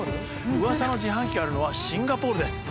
うわさの自販機があるのはシンガポールです。